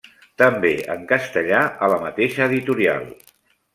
També en castellà a la mateixa editorial.